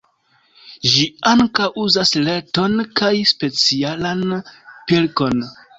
Ĝi ankaŭ uzas reton kaj specialan pilkon.